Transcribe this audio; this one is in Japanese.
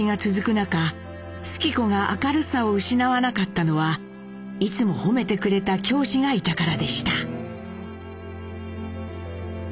中主基子が明るさを失わなかったのはいつも褒めてくれた教師がいたからでした。